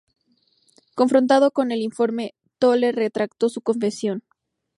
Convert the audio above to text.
Confrontado con el informe, Toole retractó su confesión.